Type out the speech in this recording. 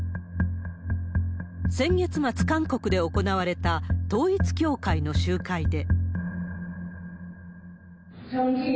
先月末、韓国で行われた統一教会の集会で。